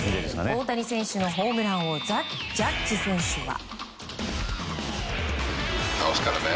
大谷選手のホームランをジャッジ選手は。